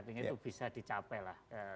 tinggi itu bisa dicapai lah